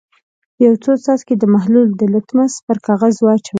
یو څو څاڅکي د محلول د لتمس پر کاغذ واچوئ.